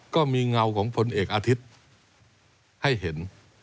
เงาของพลเอกอาทิตย์ให้เห็น